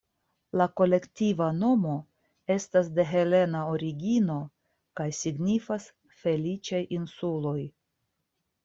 La kolektiva nomo estas de helena origino kaj signifas "feliĉaj insuloj".